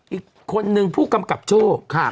อีกคนนึงผู้กำกับโจ้